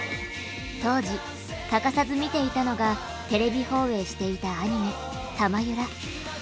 当時欠かさず見ていたのがテレビ放映していたアニメ「たまゆら」。